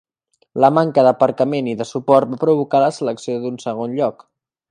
La manca d'aparcament i de suport va provocar la selecció d'un segon lloc.